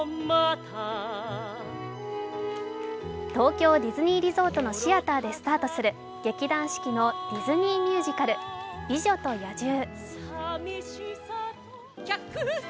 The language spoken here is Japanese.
東京ディズニーリゾートのシアターでスタートする、劇団四季のディズニーミュージカル「美女と野獣」。